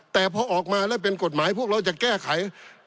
แต่พอออกมาแล้วเป็นกฎหมายพวกเราจะแก้ไข